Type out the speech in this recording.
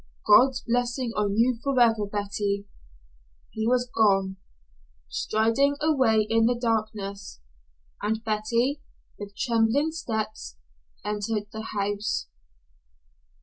"God's blessing on you forever, Betty." He was gone, striding away in the darkness, and Betty, with trembling steps, entered the house.